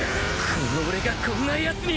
この俺がこんな奴に！